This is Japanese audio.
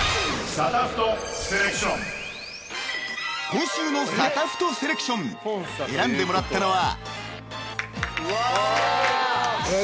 ［今週のサタフトセレクション選んでもらったのは］